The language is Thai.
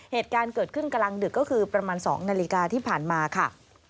เหตุการณ์เกิดขึ้นกลางดึกก็คือประมาณ๒นาฬิกาที่ผ่านมาค่ะ